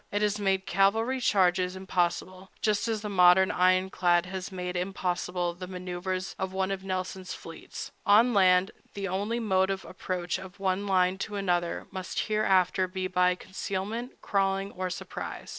It has made cavalry charges impossible, just as the modern ironclad has made impossible the manœuvers of one of Nelson's fleets. On land, the only mode of approach of one line to another must hereafter be by concealment, crawling, or surprise.